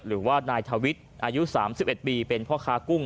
หรือว่านายทวิทย์อายุสามสิบเอ็ดปีเป็นพ่อคากุ้ง